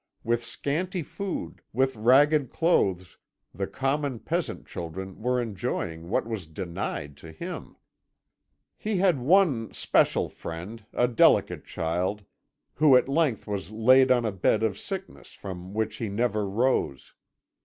With scanty food, with ragged clothes, the common peasant children were enjoying what was denied to him. "He had one especial friend, a delicate child, who at length was laid on a bed of sickness from which he never rose.